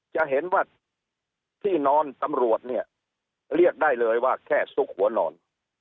จะเห็นว่าที่นอนตำรวจเนี่ยเรียกได้เลยว่าแค่ซุกหัวนอน